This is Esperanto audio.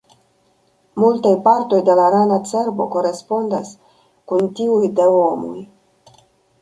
Multaj partoj de la rana cerbo korespondas kun tiuj de homoj.